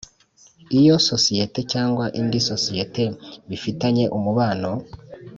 Iyo sosiyete cyangwa indi sosiyete bifitanye umubano